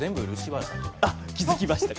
気付きましたか？